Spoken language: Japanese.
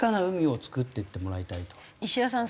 石田さん